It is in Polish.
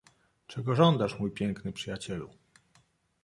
"Czego żądasz, mój piękny przyjacielu?"